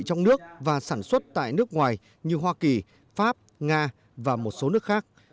trong nước và sản xuất tại nước ngoài như hoa kỳ pháp nga và một số nước khác